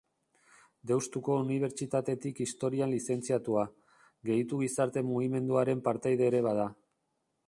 Deustuko Unibertsitatetik Historian lizentziatua, Gehitu gizarte mugimenduaren partaide ere bada.